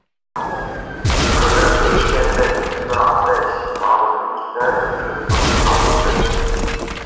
قىزىرىپ ئۆچكەندەك تۆمۈر ئاتەش، ھالىدىن كېتەر كۆزىنىڭ قارىسى.